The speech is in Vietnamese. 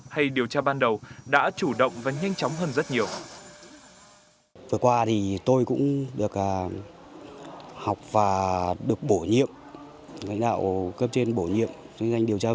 hay điều tra ban đầu đã chủ động và nhanh chóng hơn rất nhiều